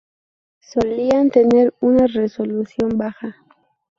Solían tener una resolución baja.